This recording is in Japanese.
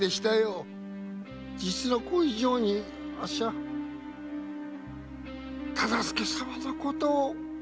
実の子以上にあっしは忠相様のことを‼